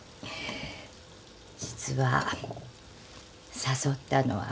実は誘ったのは私。